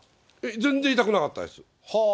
全然痛くなかったです。